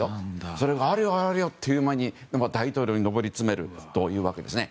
それが、あれよあれよという間に大統領に上り詰めるというわけですね。